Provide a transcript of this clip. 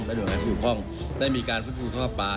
และโดยงานหยุดคล่องได้มีการพื้นฟูสภาพป่า